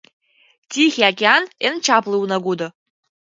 — «Тихий океан» эн чапле унагудо.